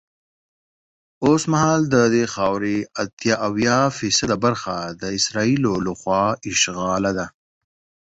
اوسمهال ددې خاورې اته اویا فیصده برخه د اسرائیلو له خوا اشغال ده.